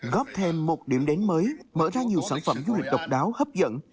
góp thêm một điểm đến mới mở ra nhiều sản phẩm du lịch độc đáo hấp dẫn